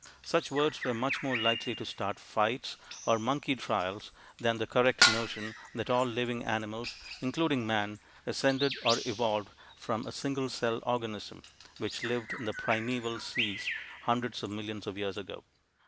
Such words were much more likely to start fights or "monkey trials" than the correct notion that all living animals, including man, ascended or evolved from a single celled organism which lived in the primeval seas hundreds of millions of years ago.